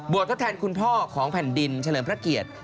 ทดแทนคุณพ่อของแผ่นดินเฉลิมพระเกียรติ